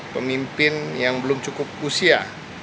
pemimpin yang belum cukup usia